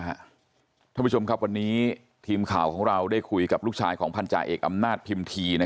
ท่านผู้ชมครับวันนี้ทีมข่าวของเราได้คุยกับลูกชายของพันธาเอกอำนาจพิมพี